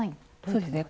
そうですね。